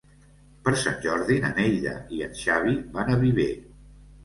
Per Sant Jordi na Neida i en Xavi van a Viver.